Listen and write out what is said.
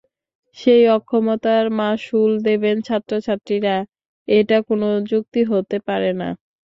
সেই অক্ষমতার মাশুল দেবেন ছাত্রছাত্রীরা, এটা কোনো যুক্তি হতে পারে না।